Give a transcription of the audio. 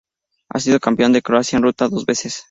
Ha sido Campeón de Croacia en Ruta dos veces.